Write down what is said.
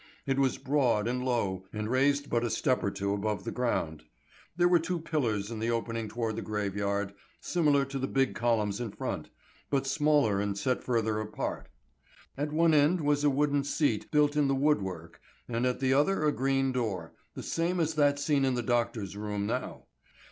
It was broad and low, and raised but a step or two above the ground. There were two pillars in the opening toward the graveyard, similar to the big columns in front, but smaller and set further apart. At one end was a wooden seat built in the wood work, and at the other a green door, the same as that seen in the doctor's room now.